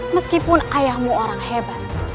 meskipun ayahmu orang hebat